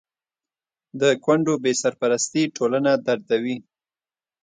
د کونډو بې سرپرستي ټولنه دردوي.